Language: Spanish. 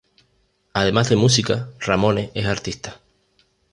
Además de música, Ramone es artista.